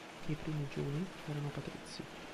I primi Giuni erano patrizi.